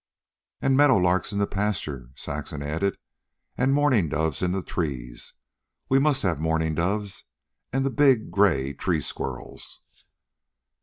"And meadowlarks in the pasture," Saxon added. "And mourning doves in the trees. We must have mourning doves and the big, gray tree squirrels."